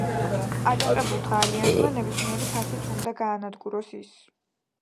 აჯანყებულთა ალიანსმა ნებისმიერი ფასით უნდა გაანადგუროს ის.